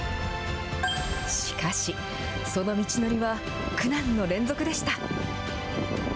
しかし、その道のりは苦難の連続でした。